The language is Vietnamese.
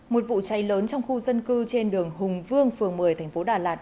một vụ cháy lớn trong khu dân cư trên đường hùng vương phường một mươi tp đà lạt